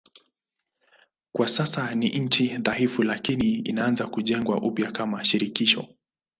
Kwa sasa ni nchi dhaifu lakini inaanza kujengwa upya kama shirikisho.